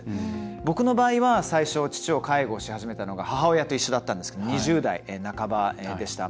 僕の場合は、最初父を介護し始めたのが母親と一緒だったんですけど２０代半ばでした。